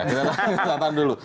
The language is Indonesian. kita tahan dulu